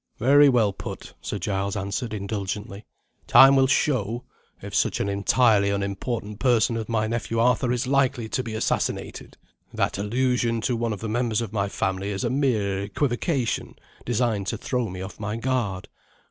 "Very well put," Sir Giles answered indulgently. "Time will show, if such an entirely unimportant person as my nephew Arthur is likely to be assassinated. That allusion to one of the members of my family is a mere equivocation, designed to throw me off my guard.